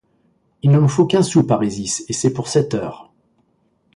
Il ne me faut qu'un sou parisis, et c'est pour sept heures.